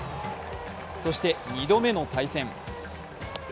そして２度目の対戦。